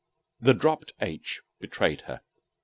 The dropped "h" betrayed her.